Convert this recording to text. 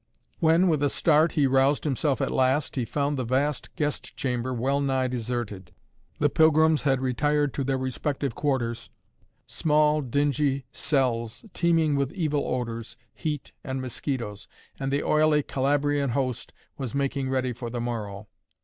When, with a start, he roused himself at last, he found the vast guest chamber well nigh deserted. The pilgrims had retired to their respective quarters, small, dingy cells, teeming with evil odors, heat and mosquitoes, and the oily Calabrian host was making ready for the morrow.